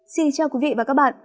xin chào quý vị và các bạn